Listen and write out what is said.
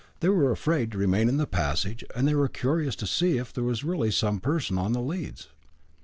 They were afraid to remain in the passage, and they were curious to see if there was really some person on the leads.